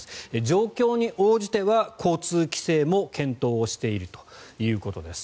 状況に応じては交通規制も検討しているということです。